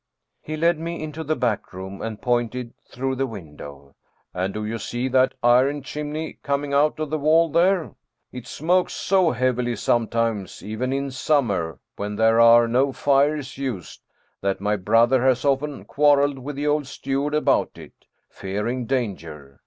He led me into the back room and pointed through the window. " And do you see that iron chimney coming out of the wall there ? It smokes so heav ily sometimes, even in summer when there are no fires used, that my brother has often quarreled with the old steward about it, fearing danger.